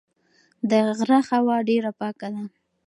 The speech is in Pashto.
د غره هوا ډېره پاکه ده.